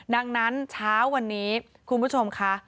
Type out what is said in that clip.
ดังนั้นเช้าวันนี้คุณผู้ชมค่ะ